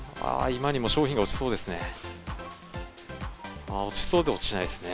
今にも商品が落ちそうですね。